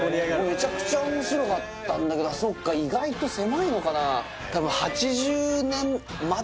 メチャクチャ面白かったんだけどそっか意外と狭いのかな